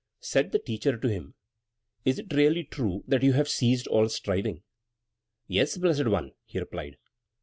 Said the Teacher to him: "Is it really true that you have ceased all striving?" "Yes, Blessed One," he replied.